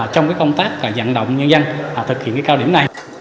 trong công tác dẫn động nhân dân thực hiện cao điểm này